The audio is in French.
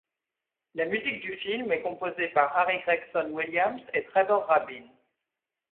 La musique du film est composée par Harry Gregson-Williams et Trevor Rabin.